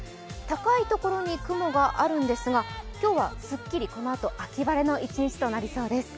高い所に雲があるんですが、今日はすっきり、このあと秋晴れの一日となりそうです。